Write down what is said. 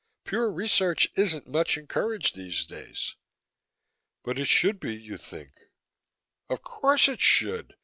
Pure research isn't much encouraged, these days." "But it should be, you think?" "Of course it should.